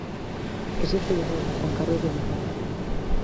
Ese foi o rol de Juan Carlos de Borbón.